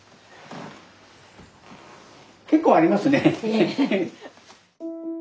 結構ありますね。